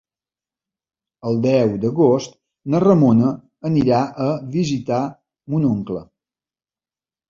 El deu d'agost na Ramona anirà a visitar mon oncle.